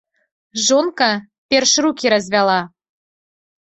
Жонка перш рукі развяла.